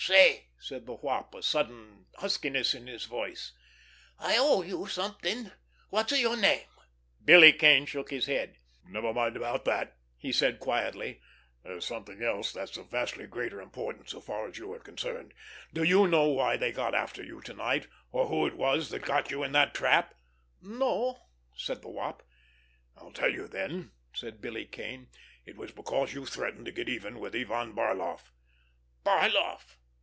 "Say," said the Wop, a sudden huskiness in his voice. "I owe you something. What's your name?" Billy Kane shook his head. "Never mind about that," he said quietly. "There's something else that's of vastly greater importance so far as you are concerned. Do you know why they got after you to night, or who it was that got you in that trap?" "No," said the Wop. "I'll tell you, then," said Billy Kane. "It was because you threatened to get even with Ivan Barloff." "Barloff!"